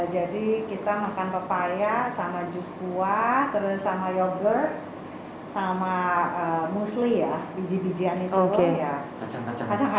jadi kita makan papaya sama jus buah terus sama yogurt sama musli ya biji bijian itu